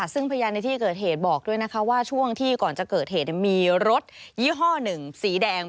ซึ่งพยานในที่เกิดเหตุบอกด้วยนะคะว่าช่วงที่ก่อนจะเกิดเหตุมีรถยี่ห้อหนึ่งสีแดง